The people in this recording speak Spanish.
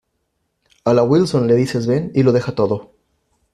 a la Wilson le dices ven y lo deja todo.